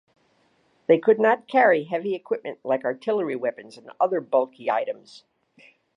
They could not carry heavy equipment like artillery weapons and other bulky items.